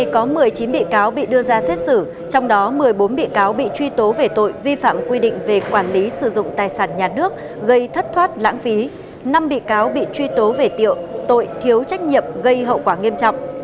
có một mươi bốn bị cáo bị truy tố về tội vi phạm quy định về quản lý sử dụng tài sản nhà nước gây thất thoát lãng phí năm bị cáo bị truy tố về tiệu tội thiếu trách nhiệm gây hậu quả nghiêm trọng